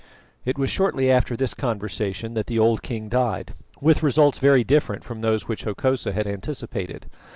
It was shortly after this conversation that the old king died, with results very different from those which Hokosa had anticipated.